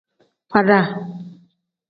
Faada.